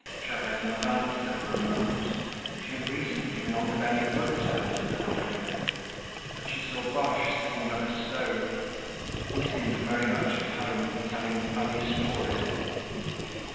Gervaise did not answer for a moment. She had recently been on fairly good terms with the Lorilleuxs, but she saw Boche sitting by the stove. He seemed very much at home, telling funny stories.